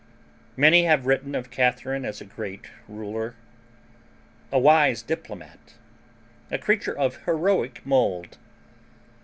Many have written of Catharine as a great ruler, a wise diplomat, a creature of heroic mold.